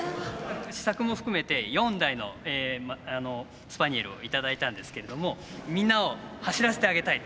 試作も含めて４台のスパニエルを頂いたんですけれどもみんなを走らせてあげたい。